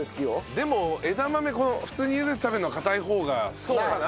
でも枝豆普通にゆでて食べるのは硬い方が好きかな